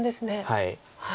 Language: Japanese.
はい。